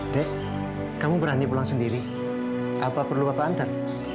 dek kamu berani pulang sendiri apa perlu bapak antar